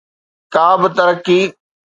ڪابه ترقي.